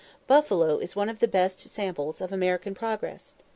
Buffalo is one of the best samples of American progress.